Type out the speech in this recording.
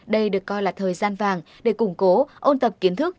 đây được coi là thời gian vàng để củng cố ôn tập kiến thức